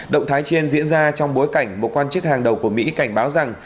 động thái trên diễn ra trong bối cảnh một quan chức hàng đầu của mỹ cảnh báo rằng